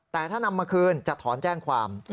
แต่ถ้านำมาคืนจะถอนแจ้งความ